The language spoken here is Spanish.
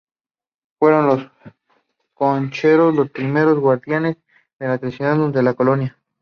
Fueron los "concheros" los primeros guardianes de la tradición durante la colonia.